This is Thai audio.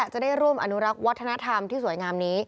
จะได้ร่วมอนุรักษ์วัฒนธรรมที่สวยงามนี้